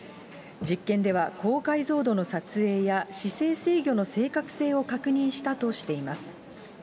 実験では高解像度の撮影や、姿勢制御の正確性を確認したとしています。